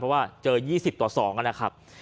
เพราะว่าเจอ๒๐ต่อ๒นะครับ